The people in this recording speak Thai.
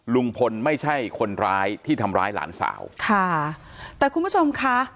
ลุงพลไม่ใช่คนร้ายที่ทำร้ายหลานสาวค่ะแต่คุณผู้ชมค่ะ